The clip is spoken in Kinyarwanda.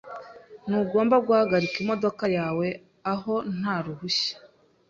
Ntugomba guhagarika imodoka yawe aho nta ruhushya .